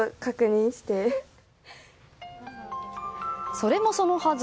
それもそのはず。